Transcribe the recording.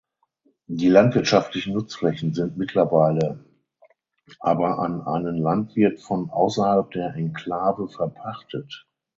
Die landwirtschaftlichen Nutzflächen sind mittlerweile aber an einen Landwirt von außerhalb der Enklave verpachtet.